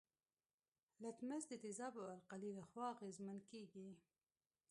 لتمس د تیزاب او القلي له خوا اغیزمن کیږي.